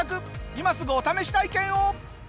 今すぐお試し体験を！